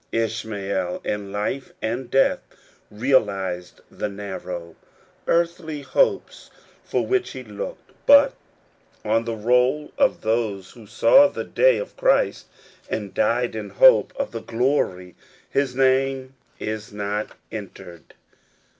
Ishmael in life and death realized the narrow, earthly hopes for which he looked ; but on the roll of those who saw the day of Christ, and died in hope of the glory, his name is not entered.